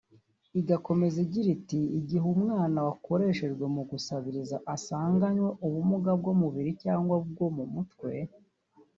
Igakomeza igira iti “Igihe umwana wakoreshejwe mu gusabiriza asanganywe ubumuga bw’umubiri cyangwa bwo mu mutwe